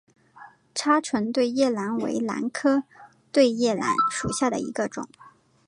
叉唇对叶兰为兰科对叶兰属下的一个种。